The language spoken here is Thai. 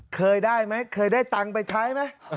เคยได้มั้ยเคยได้ตังไปใช้มั้ย